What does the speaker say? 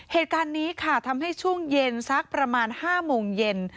เหตุการณ์นี้ค่ะทำให้ช่วงเย็นสักประมาณ๕โมงเย็น